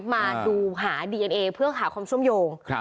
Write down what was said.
มาดูหาเอ็นเอเพื่อหาความทรวมโยง